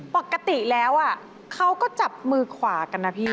ปกติแล้วเขาก็จับมือขวากันนะพี่